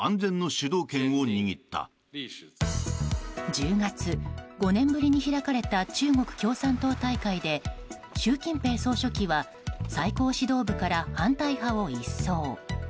１０月、５年ぶりに開かれた中国共産党大会で習近平総書記は最高指導部から反対派を一掃。